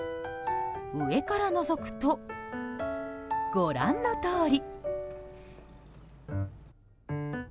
上からのぞくとご覧のとおり。